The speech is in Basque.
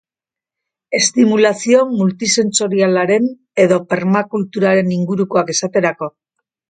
Estimulazio multisentsorialaren edo permakulturaren ingurukoak, esaterako.